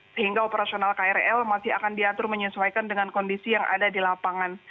sehingga operasional krl masih akan diatur menyesuaikan dengan kondisi yang ada di lapangan